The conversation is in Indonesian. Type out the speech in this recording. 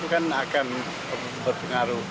kan akan berpengaruh